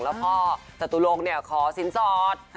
แล้วพ่อจตุรกเนี่ยขอสินสอด